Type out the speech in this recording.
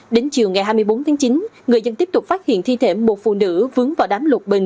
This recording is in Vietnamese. đến chiều ngày hai mươi bốn tháng chín người dân tiếp tục phát hiện thi thể một phụ nữ vướng vào đám lục bình